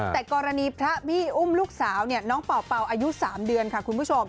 แต่กรณีพระบี้อุ้มลูกสาวน้องเป่าอายุ๓เดือนค่ะคุณผู้ชม